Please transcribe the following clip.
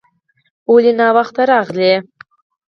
ولې ناوخته راغلې ؟